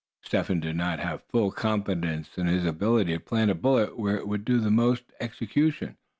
Step Hen did not have full confidence in his ability to plant a bullet where it would do the most execution.